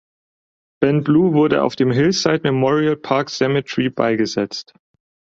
Ben Blue wurde auf dem Hillside Memorial Park Cemetery beigesetzt.